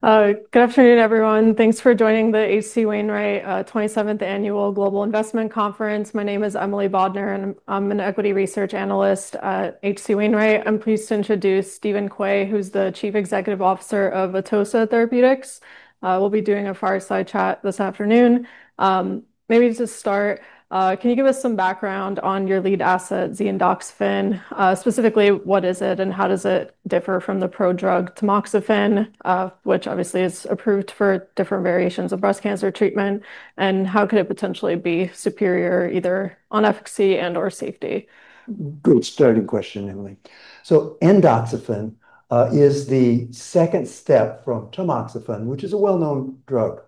Good afternoon, everyone. Thanks for joining the H.C. Wainwright 27th Annual Global Investment Conference. My name is Emily Bodnar, and I'm an equity research analyst at H.C. Wainwright. I'm pleased to introduce Dr. Steven Quay, who's the Chief Executive Officer of Atossa Therapeutics. We'll be doing a fireside chat this afternoon. Maybe to start, can you give us some background on your lead asset, Zinhoxifen? Specifically, what is it and how does it differ from the prodrug tamoxifen, which obviously is approved for different variations of breast cancer treatment? How could it potentially be superior, either on efficacy and/or safety? Good starting question, Emily. (Z)-endoxifen is the second step from tamoxifen, which is a well-known drug.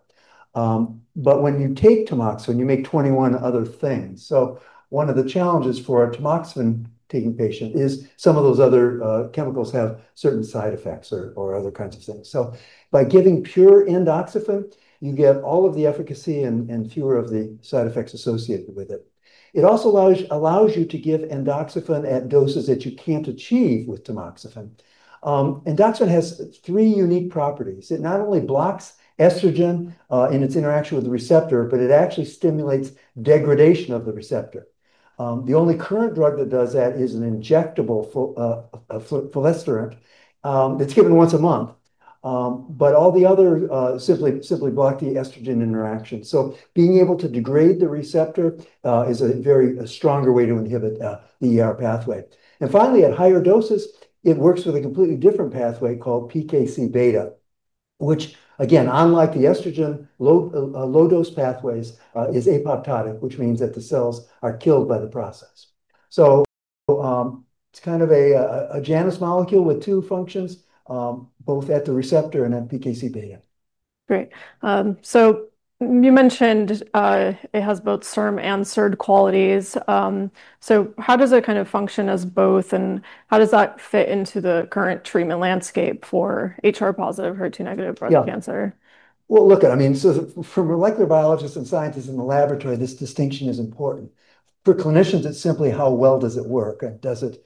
When you take tamoxifen, you make 21 other things. One of the challenges for a tamoxifen-taking patient is some of those other chemicals have certain side effects or other kinds of things. By giving pure (Z)-endoxifen, you get all of the efficacy and fewer of the side effects associated with it. It also allows you to give (Z)-endoxifen at doses that you can't achieve with tamoxifen. (Z)-endoxifen has three unique properties. It not only blocks estrogen in its interaction with the receptor, but it actually stimulates degradation of the receptor. The only current drug that does that is an injectable selective estrogen receptor degrader that's given once a month. All the others simply block the estrogen interaction. Being able to degrade the receptor is a very stronger way to inhibit the pathway. Finally, at higher doses, it works with a completely different pathway called PKC beta, which, unlike the estrogen low-dose pathways, is apoptotic, which means that the cells are killed by the process. It's kind of a Janus molecule with two functions, both at the receptor and at PKC beta. Right. You mentioned it has both SERM and SERD qualities. How does it kind of function as both, and how does that fit into the current treatment landscape for HR positive, HER2-negative breast cancer? I mean, for molecular biologists and scientists in the laboratory, this distinction is important. For clinicians, it's simply how well does it work, and does it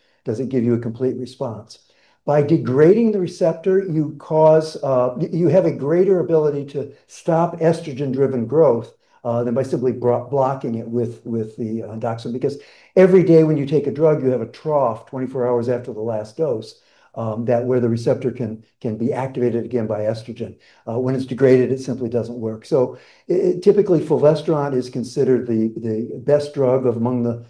give you a complete response? By degrading the receptor, you have a greater ability to stop estrogen-driven growth than by simply blocking it with the endoxifen. Because every day when you take a drug, you have a trough 24 hours after the last dose where the receptor can be activated again by estrogen. When it's degraded, it simply doesn't work. Typically, finasteride is considered the best drug among the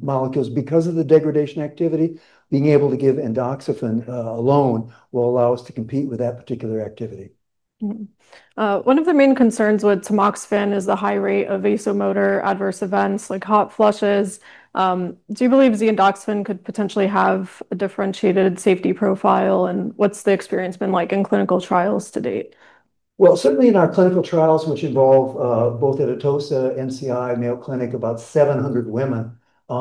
molecules because of the degradation activity. Being able to give endoxifen alone will allow us to compete with that particular activity. One of the main concerns with tamoxifen is the high rate of vasomotor adverse events, like hot flushes. Do you believe Zinhoxifen could potentially have a differentiated safety profile? What's the experience been like in clinical trials to date? our clinical trials, which involve both Atossa Therapeutics, National Cancer Institute, and Mayo Clinic, about 700 women,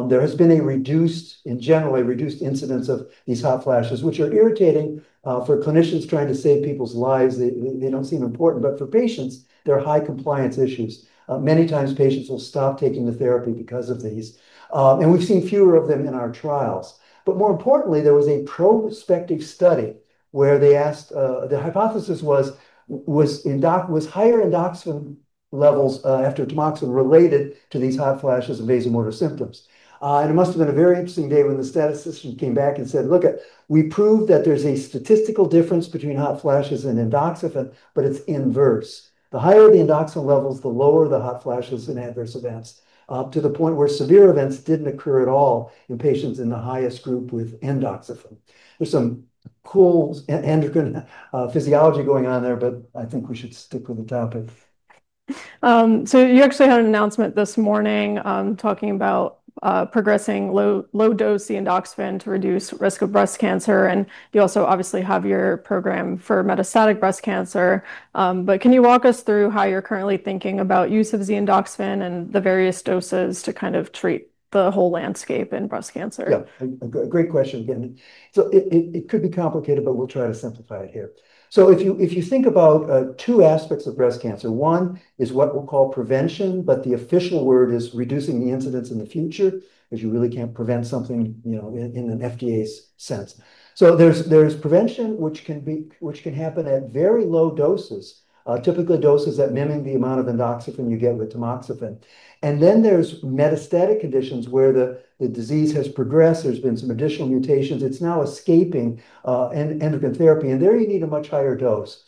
there has been, in general, a reduced incidence of these hot flashes, which are irritating for clinicians trying to save people's lives. They don't seem important, but for patients, there are high compliance issues. Many times, patients will stop taking the therapy because of these. We've seen fewer of them in our trials. More importantly, there was a prospective study where they asked if the hypothesis was higher (Z)-endoxifen levels after tamoxifen related to these hot flashes and vasomotor symptoms. It must have been a very interesting day when the statistician came back and said, "Look, we proved that there's a statistical difference between hot flashes and (Z)-endoxifen, but it's inverse. The higher the (Z)-endoxifen levels, the lower the hot flashes and adverse events, to the point where severe events didn't occur at all in patients in the highest group with (Z)-endoxifen." There's some cool endocrine physiology going on there, but I think we should stick with the topic. You actually had an announcement this morning talking about progressing low-dose Zinhoxifen to reduce risk of breast cancer. You also obviously have your program for metastatic breast cancer. Can you walk us through how you're currently thinking about use of Zinhoxifen and the various doses to kind of treat the whole landscape in breast cancer? Yeah, great question. Again, it could be complicated, but we'll try to simplify it here. If you think about two aspects of breast cancer, one is what we'll call prevention, but the official word is reducing the incidence in the future because you really can't prevent something in an FDA sense. There's prevention, which can happen at very low doses, typically doses that mimic the amount of (Z)-endoxifen you get with tamoxifen. Then there's metastatic conditions where the disease has progressed. There's been some additional mutations. It's now escaping endocrine therapy, and there you need a much higher dose.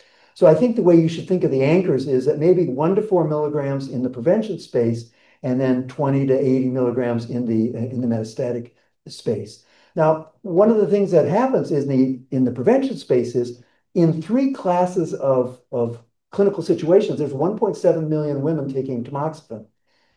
I think the way you should think of the anchors is that maybe 1 to 4 milligrams in the prevention space and then 20 to 80 milligrams in the metastatic space. One of the things that happens in the prevention space is in three classes of clinical situations, there's 1.7 million women taking tamoxifen.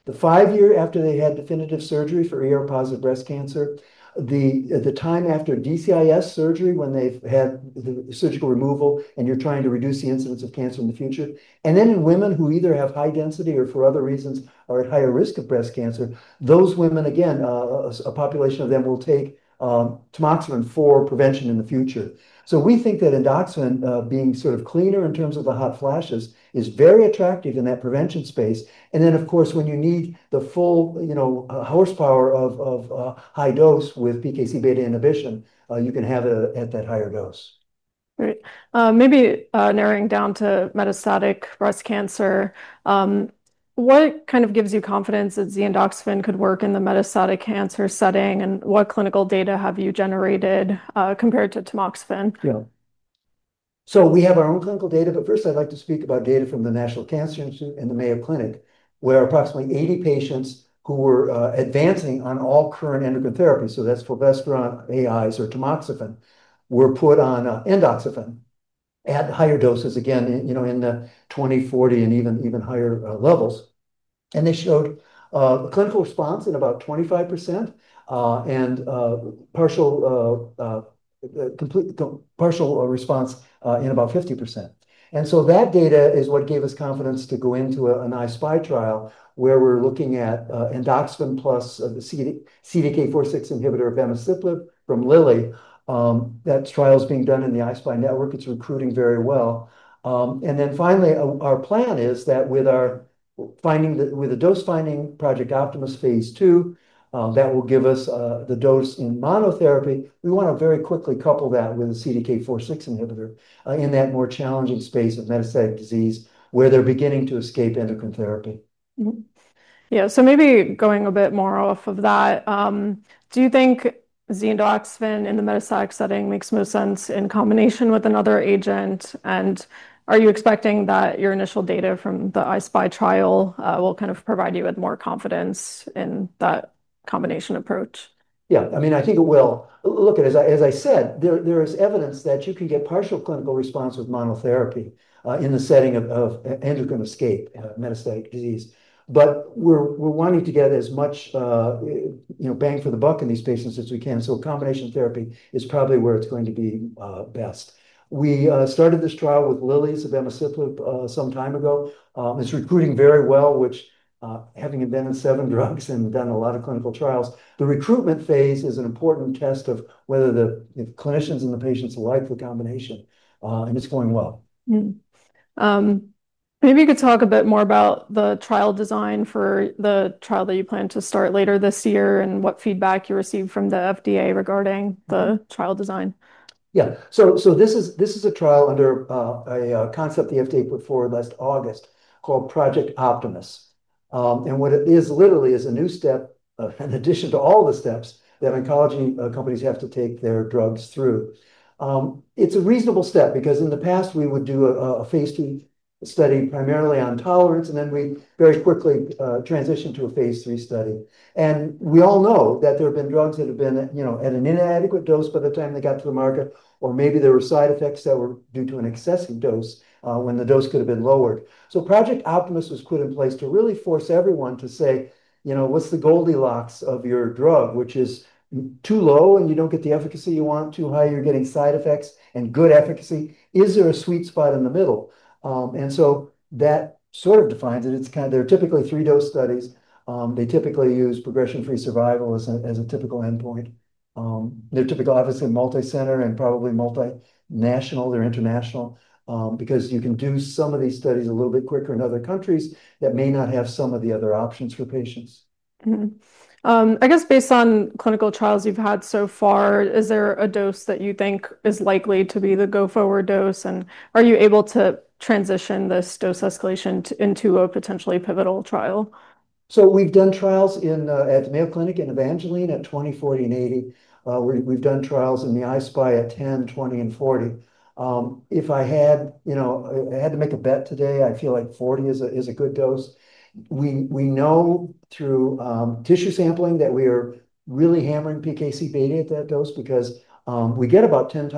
The five years after they had definitive surgery for positive breast cancer, the time after DCIS surgery when they've had the surgical removal and you're trying to reduce the incidence of cancer in the future, and then in women who either have high density or for other reasons are at higher risk of breast cancer, those women, again, a population of them will take tamoxifen for prevention in the future. We think that (Z)-endoxifen, being sort of cleaner in terms of the hot flashes, is very attractive in that prevention space. Of course, when you need the full, you know, horsepower of high dose with PKC beta inhibition, you can have it at that higher dose. Maybe narrowing down to metastatic breast cancer, what kind of gives you confidence that Zinhoxifen could work in the metastatic cancer setting? What clinical data have you generated compared to tamoxifen? Yeah. We have our own clinical data. First, I'd like to speak about data from the National Cancer Institute and the Mayo Clinic, where approximately 80 patients who were advancing on all current endocrine therapy, so that's fulvestrant, AIs, or tamoxifen, were put on (Z)-endoxifen at higher doses, again, you know, in the 20, 40, and even higher levels. They showed a clinical response in about 25% and partial response in about 50%. That data is what gave us confidence to go into an iSpy 2 trial where we're looking at (Z)-endoxifen plus the CDK4/6 inhibitor abemaciclib from Eli Lilly. That trial is being done in the iSpy network. It's recruiting very well. Finally, our plan is that with our finding with the dose finding Project Optimus Phase 2, that will give us the dose in monotherapy. We want to very quickly couple that with a CDK4/6 inhibitor in that more challenging space of metastatic disease where they're beginning to escape endocrine therapy. Maybe going a bit more off of that, do you think Zinhoxifen in the metastatic setting makes most sense in combination with another agent? Are you expecting that your initial data from the iSpy 2 trial will kind of provide you with more confidence in that combination approach? Yeah, I mean, I think it will. Look, as I said, there is evidence that you can get partial clinical response with monotherapy in the setting of endocrine escape metastatic disease. We're wanting to get as much bang for the buck in these patients as we can, so a combination therapy is probably where it's going to be best. We started this trial with Lilly's abemaciclib some time ago. It's recruiting very well, which, having been in seven drugs and done a lot of clinical trials, the recruitment phase is an important test of whether the clinicians and the patients like the combination. It's going well. Maybe you could talk a bit more about the trial design for the trial that you plan to start later this year, and what feedback you received from the FDA regarding the trial design. Yeah, so this is a trial under a concept the FDA put forward last August called Project Optimus. What it is literally is a new step in addition to all the steps that oncology companies have to take their drugs through. It's a reasonable step because in the past, we would do a phase III study primarily on tolerance, and then we'd very quickly transition to a phase III study. We all know that there have been drugs that have been at an inadequate dose by the time they got to the market, or maybe there were side effects that were due to an excessive dose when the dose could have been lowered. Project Optimus was put in place to really force everyone to say, you know, what's the Goldilocks of your drug, which is too low and you don't get the efficacy you want, too high you're getting side effects and good efficacy. Is there a sweet spot in the middle? That sort of defines it. They're typically three-dose studies. They typically use progression-free survival as a typical endpoint. They're typically, obviously, multicenter and probably multinational. They're international because you can do some of these studies a little bit quicker in other countries that may not have some of the other options for patients. I guess based on clinical trials you've had so far, is there a dose that you think is likely to be the go-forward dose? Are you able to transition this dose escalation into a potentially pivotal trial? We've done trials at the Mayo Clinic in Evangeline at 20, 40, and 80. We've done trials in the iSpy 2 trial at 10, 20, and 40. If I had to make a bet today, I feel like 40 is a good dose. We know through tissue sampling that we are really hammering PKC beta at that dose because we get about 8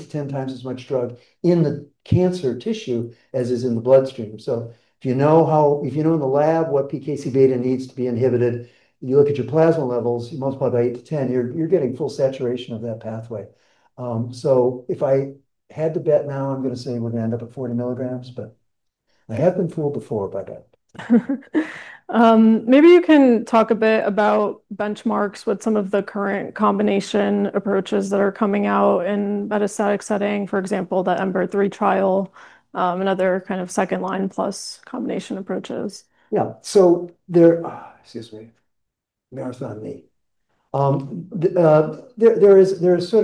to 10 times as much drug in the cancer tissue as is in the bloodstream. If you know in the lab what PKC beta needs to be inhibited, you look at your plasma levels, you multiply by 8 to 10, you're getting full saturation of that pathway. If I had to bet now, I'm going to say we're going to end up at 40 milligrams, but I have been fooled before by that. Maybe you can talk a bit about benchmarks with some of the current combination approaches that are coming out in the metastatic setting, for example, the MBR3 trial and other kind of second-line plus combination approaches. Yeah, there is sort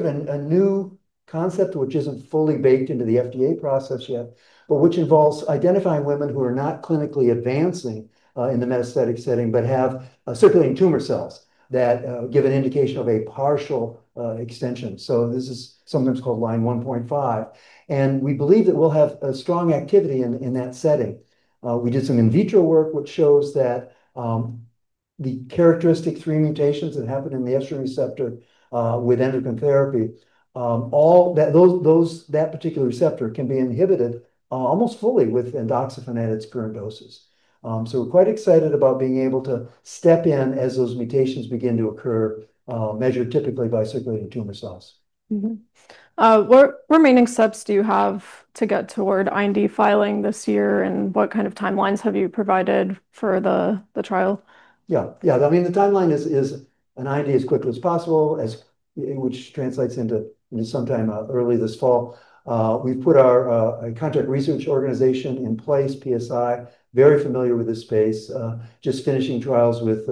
of a new concept which isn't fully baked into the FDA process yet, but which involves identifying women who are not clinically advancing in the metastatic setting but have circulating tumor cells that give an indication of a partial extension. This is sometimes called line 1.5. We believe that we'll have strong activity in that setting. We did some in vitro work, which shows that the characteristic three mutations that happen in the estrogen receptor with endocrine therapy, all that particular receptor can be inhibited almost fully with (Z)-endoxifen at its current doses. We're quite excited about being able to step in as those mutations begin to occur, measured typically by circulating tumor cells. What remaining steps do you have to get toward IND filing this year? What kind of timelines have you provided for the trial? Yeah, I mean, the timeline is an IND as quickly as possible, which translates into sometime early this fall. We put our contract research organization in place, PSI, very familiar with this space, just finishing trials with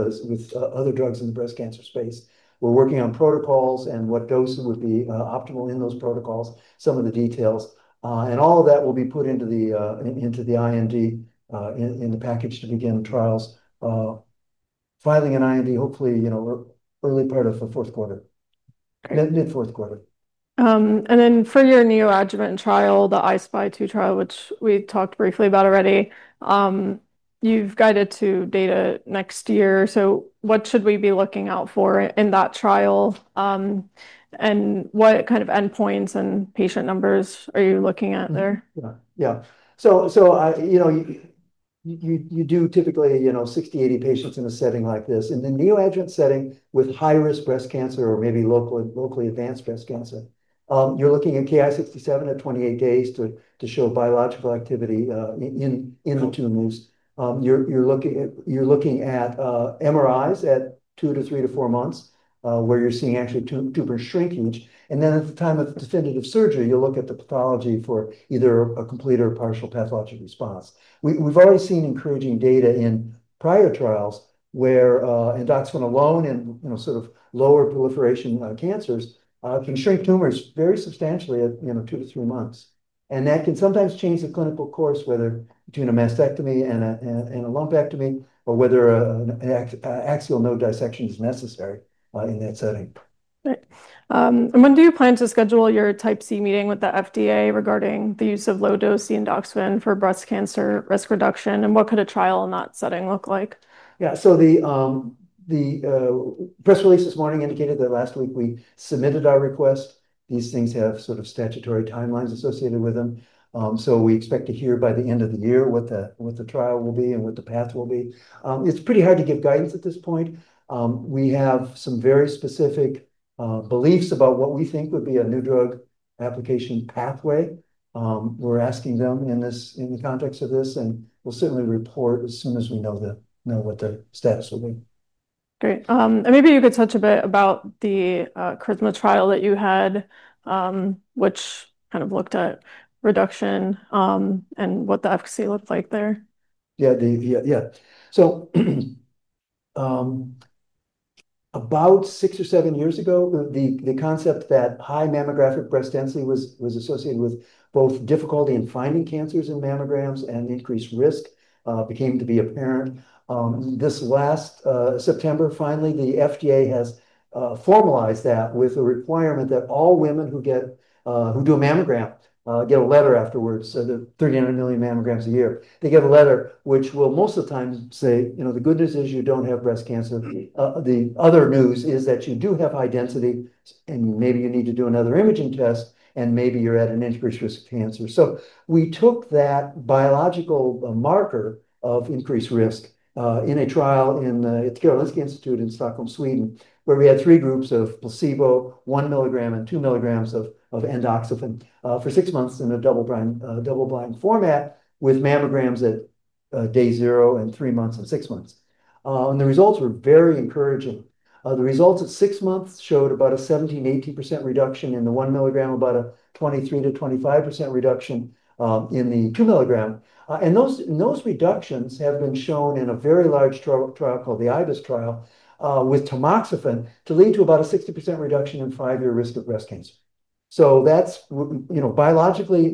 other drugs in the breast cancer space. We're working on protocols and what dosing would be optimal in those protocols, some of the details. All of that will be put into the IND in the package to begin trials, filing an IND hopefully, you know, early part of the fourth quarter, mid-fourth quarter. For your neoadjuvant trial, the iSpy 2 trial, which we talked briefly about already, you've guided to data next year. What should we be looking out for in that trial? What kind of endpoints and patient numbers are you looking at there? Yeah, you do typically 60 to 80 patients in a setting like this. In the neoadjuvant setting with high-risk breast cancer or maybe locally advanced breast cancer, you're looking at Ki-67 at 28 days to show biological activity in the tumors. You're looking at MRIs at two to three to four months where you're seeing actually tumor shrinkage. At the time of definitive surgery, you look at the pathology for either a complete or partial pathologic response. We've already seen encouraging data in prior trials where (Z)-endoxifen alone in sort of lower proliferation cancers can shrink tumors very substantially at two to three months. That can sometimes change the clinical course, whether between a mastectomy and a lumpectomy or whether an axial node dissection is necessary in that setting. Right. When do you plan to schedule your Type C meeting with the FDA regarding the use of low-dose Zinhoxifen for breast cancer risk reduction, and what could a trial in that setting look like? The press release this morning indicated that last week we submitted our request. These things have statutory timelines associated with them. We expect to hear by the end of the year what the trial will be and what the path will be. It's pretty hard to give guidance at this point. We have some very specific beliefs about what we think would be a new drug application pathway. We're asking them in the context of this, and we'll certainly report as soon as we know what the status will be. Great. Maybe you could touch a bit about the CRISPR trial that you had, which kind of looked at reduction and what the efficacy looked like there. Yeah, yeah. About six or seven years ago, the concept that high mammographic breast density was associated with both difficulty in finding cancers in mammograms and increased risk became apparent. This last September, finally, the FDA has formalized that with a requirement that all women who do a mammogram get a letter afterwards. The 39 million mammograms a year, they get a letter which will most of the time say, you know, the good news is you don't have breast cancer. The other news is that you do have high density and maybe you need to do another imaging test and maybe you're at an increased risk of cancer. We took that biological marker of increased risk in a trial in the Karolinska Institute in Stockholm, Sweden, where we had three groups of placebo, 1 milligram and 2 milligrams of (Z)-endoxifen for six months in a double-blind format with mammograms at day zero, three months, and six months. The results were very encouraging. The results at six months showed about a 17-18% reduction in the 1 milligram, about a 23-25% reduction in the 2 milligram. Those reductions have been shown in a very large trial called the IBUS trial with tamoxifen to lead to about a 60% reduction in five-year risk of breast cancer. Biologically,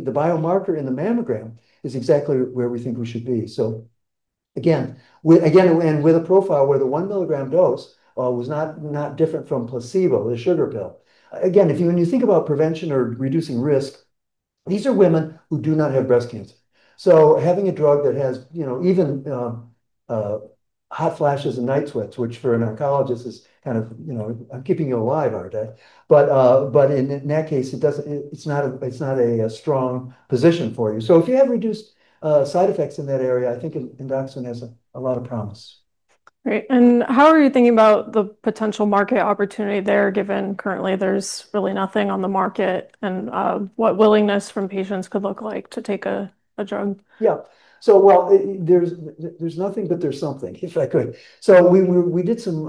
the biomarker in the mammogram is exactly where we think we should be. Again, with a profile where the 1 milligram dose was not different from placebo, the sugar pill. When you think about prevention or reducing risk, these are women who do not have breast cancer. Having a drug that has, you know, even hot flashes and night sweats, which for an oncologist is kind of, you know, keeping you alive, aren't they? In that case, it's not a strong position for you. If you have reduced side effects in that area, I think (Z)-endoxifen has a lot of promise. Great. How are you thinking about the potential market opportunity there, given currently there's really nothing on the market and what willingness from patients could look like to take a drug? Yeah, so, there's nothing, but there's something, if I could. We did some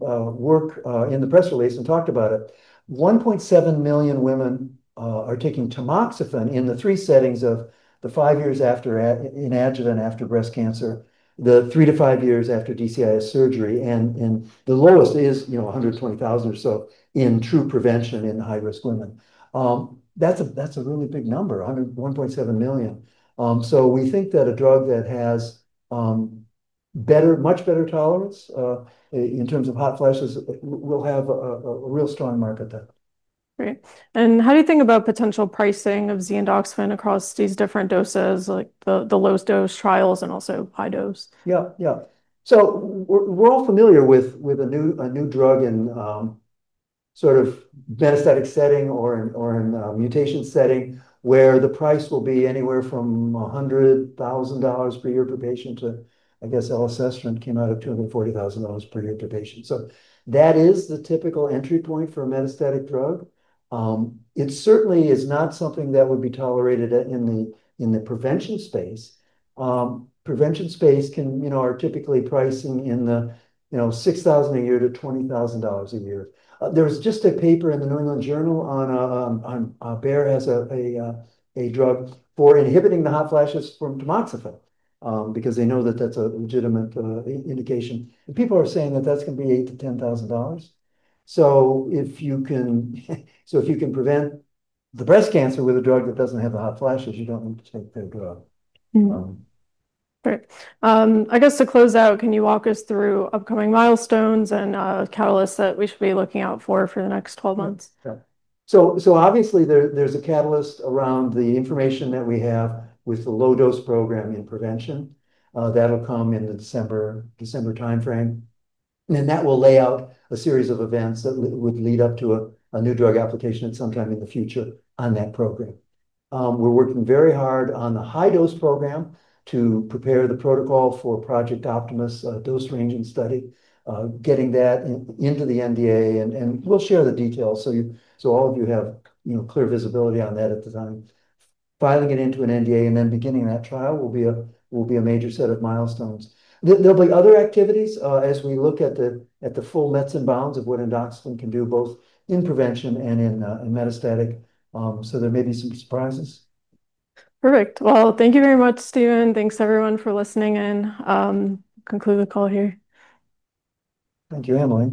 work in the press release and talked about it. 1.7 million women are taking tamoxifen in the three settings of the five years after in adjuvant after breast cancer, the three to five years after DCIS surgery, and the lowest is, you know, 120,000 or so in true prevention in high-risk women. That's a really big number, 1.7 million. We think that a drug that has much better tolerance in terms of hot flashes will have a real strong market there. Great. How do you think about potential pricing of Zinhoxifen across these different doses, like the lowest dose trials and also high dose? Yeah, yeah. We're all familiar with a new drug in sort of metastatic setting or in a mutation setting where the price will be anywhere from $100,000 per year per patient to, I guess, LSSR came out at $240,000 per year per patient. That is the typical entry point for a metastatic drug. It certainly is not something that would be tolerated in the prevention space. Prevention space can, you know, are typically pricing in the $6,000 a year to $20,000 a year. There was just a paper in the New England Journal on Bayer has a drug for inhibiting the hot flashes from tamoxifen because they know that that's a legitimate indication. People are saying that that's going to be $8,000 to $10,000. If you can prevent the breast cancer with a drug that doesn't have the hot flashes, you don't need to take their drug. Great. I guess to close out, can you walk us through upcoming milestones and catalysts that we should be looking out for for the next 12 months? Yeah, so obviously, there's a catalyst around the information that we have with the low-dose program in prevention. That'll come in the December timeframe. That will lay out a series of events that would lead up to a new drug application at some time in the future on that program. We're working very hard on the high-dose program to prepare the protocol for Project Optimus dose ranging study, getting that into the NDA. We'll share the details so all of you have clear visibility on that at the time. Filing it into an NDA and then beginning that trial will be a major set of milestones. There'll be other activities as we look at the full nuts and bolts of what (Z)-endoxifen can do both in prevention and in metastatic. There may be some surprises. Perfect. Thank you very much, Steven. Thanks, everyone, for listening. We'll conclude the call here. Thank you, Emily.